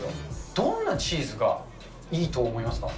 どんなチーズがいいと思いますか？